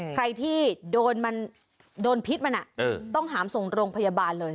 ใครที่โดนมันโดนพิษมันต้องหามส่งโรงพยาบาลเลย